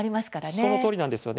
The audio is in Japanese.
そのとおりなんですよね。